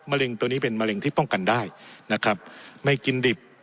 เร็งตัวนี้เป็นมะเร็งที่ป้องกันได้นะครับไม่กินดิบ